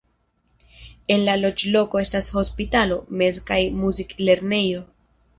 En la loĝloko estas hospitalo, mez- kaj muzik-lernejo.